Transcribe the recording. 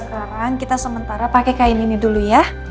mungkin juga kita sementara pake kain ini dulu ya